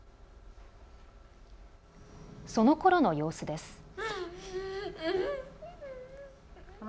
そのころの様子です。